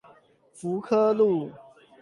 福科路